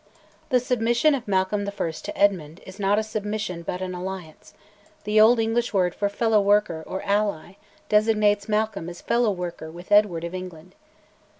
The "submission" of Malcolm I. to Edmund (945) is not a submission but an alliance; the old English word for "fellow worker," or "ally," designates Malcolm as fellow worker with Edward of England.